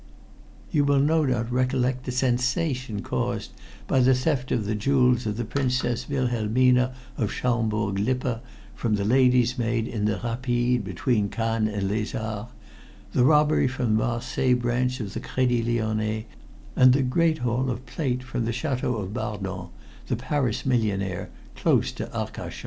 You will no doubt recollect the sensation caused by the theft of the jewels of the Princess Wilhelmine of Schaumbourg Lippe from the lady's maid in the rapide between Cannes and Les Arcs, the robbery from the Marseilles branch of the Crédit Lyonnais, and the great haul of plate from the château of Bardon, the Paris millionaire, close to Arcachon."